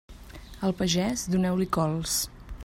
Al pagès, doneu-li cols.